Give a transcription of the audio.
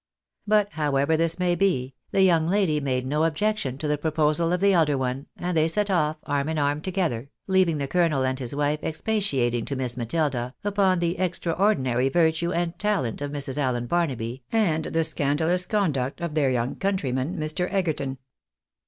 But, however this may be, the young lady made no objection to the proposal of the elder one, and they set off, arm in arm together, leaving the colonel and his wife expatiating to Miss Matilda upon the extraordinary virtue and talent of Mrs. Allen Barnaby, and the scandalous conduct of her young country man, Mr. Egerton.